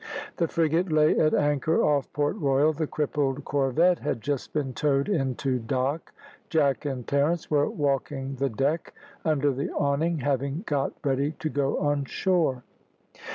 The frigate lay at anchor off Port Royal, the crippled corvette had just been towed into dock. Jack and Terence were walking the deck under the awning, having got ready to go on shore.